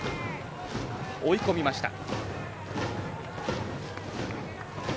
追い込みました。